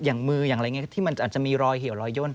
อย่างมืออย่างอะไรอย่างนี้ที่มันอาจจะมีรอยเหี่ยวรอยย่น